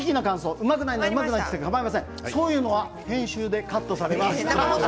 うまくないというのは編集でカットされます。